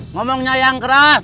ngomongnya yang keras